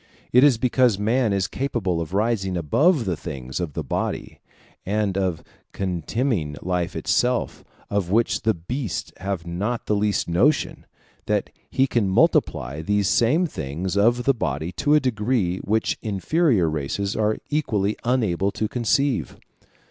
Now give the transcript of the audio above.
It is because man is capable of rising above the things of the body, and of contemning life itself, of which the beasts have not the least notion, that he can multiply these same things of the body to a degree which inferior races are equally unable to conceive.